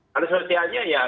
kalau sosialnya ya